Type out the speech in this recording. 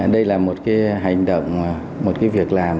đây là một hành động một việc làm